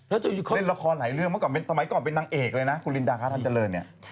แล้วเล่นละครหลายเรื่องเมื่อก่อนสมัยก่อนเป็นนางเอกเลยนะคุณลินดาคาทันเจริญเนี่ย